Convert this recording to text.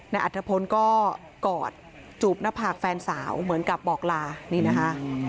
อัฐพลก็กอดจูบหน้าผากแฟนสาวเหมือนกับบอกลานี่นะคะ